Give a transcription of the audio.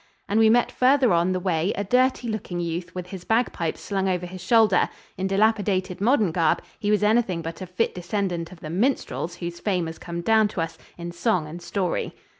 And we met farther on the way a dirty looking youth with his bagpipes slung over his shoulder in dilapidated modern garb he was anything but a fit descendant of the minstrels whose fame has come down to us in song and story.